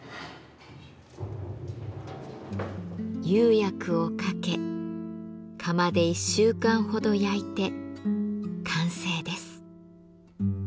釉薬をかけ窯で１週間ほど焼いて完成です。